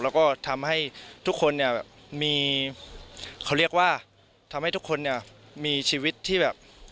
แล้วก็ทำให้ทุกคนเนี่ยมีเขาเรียกว่าทำให้ทุกคนเนี่ยมีชีวิตที่แบบ